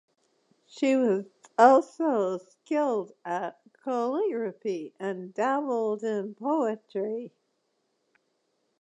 She was also skilled at calligraphy and dabbled in poetry.